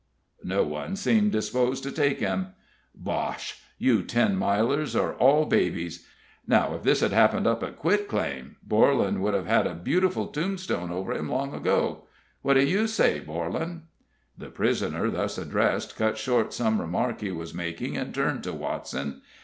No one seemed disposed to take him. "Bosh! you Ten Milers are all babies. Now, if this had happened up at Quit Claim, Borlan would have had a beautiful tombstone over him long ago. What do you say, Borlan?" The prisoner, thus addressed, cut short some remark he was making, and turned to Watson.